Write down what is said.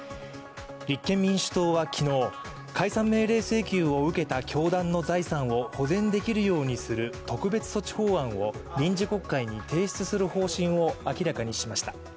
立憲民主党は昨日、解散命令請求を受けた教団の財産を保全できるようにする特別措置法案を臨時国会に提出する方針を明らかにしました。